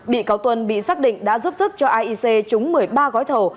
bị cáo tuân bị xác định đã giúp sức cho aic trúng một mươi ba gói thầu